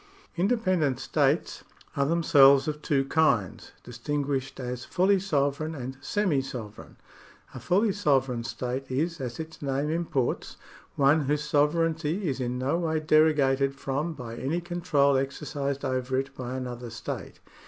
^ Independent states are themselves of two kinds, distin guished as fully sovereign and semi sovereign. A fully sovereign state is, as its name imports, one whose sovereignty is in no way derogated from by any control exercised over it by another state.